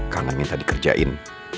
kangen minta dikerjain